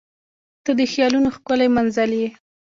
• ته د خیالونو ښکلی منزل یې.